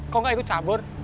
kok gak ikut kabur